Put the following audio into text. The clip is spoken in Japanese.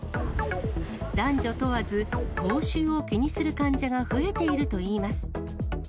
男女問わず、口臭を気にする患者が増えているといいます。